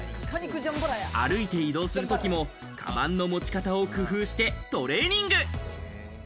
歩いて移動するときもカバンの持ち方を工夫してトレーニング。